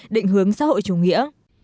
định hướng xã hội chủ nghĩa